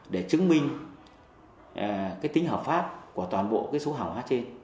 để chứng minh tính hợp pháp của toàn bộ số hàng hóa trên